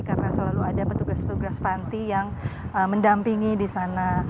karena selalu ada petugas petugas panti yang mendampingi di sana